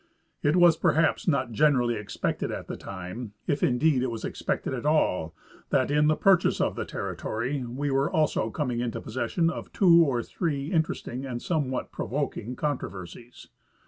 It was perhaps not generally expected at the time, if indeed it was expected at all, that in the purchase of the terri tory we were also coming into possession of two or three inter esting and somewhat provoking controversies.